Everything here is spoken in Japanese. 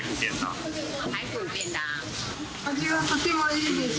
味はとてもいいです。